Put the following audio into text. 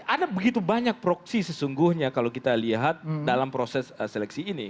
ada begitu banyak proksi sesungguhnya kalau kita lihat dalam proses seleksi ini